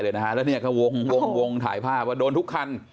แล้วเนี่ยก็วงถ่ายภาพว่าโดนทุกคัน